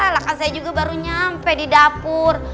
bahkan saya juga baru nyampe di dapur